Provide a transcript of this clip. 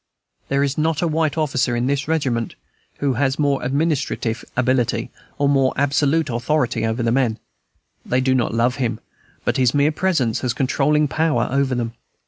There is not a white officer in this regiment who has more administrative ability, or more absolute authority over the men; they do not love him, but his mere presence has controlling power over them.